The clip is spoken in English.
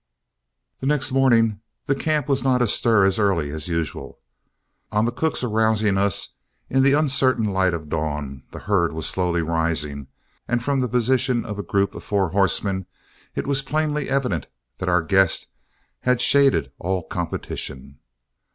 The next morning the camp was not astir as early as usual. On the cook's arousing us, in the uncertain light of dawn, the herd was slowly rising, and from the position of a group of four horsemen, it was plainly evident that our guest had shaded all competition.